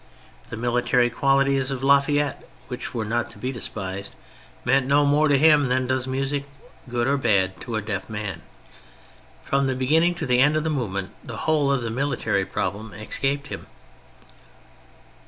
The military qualities of La Fayette (which were not to be despised) meant no more to him than does music, good or bad, to a deaf man. From the beginning to the end of the movement, the whole of the military problem escaped him.